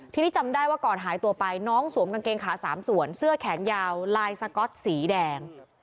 ทีนี้จำได้ว่าก่อนหายตัวไปน้องสวมกางเกงขา๓ส่วนเสื้อแขนยาวลายสก๊อตสีแดง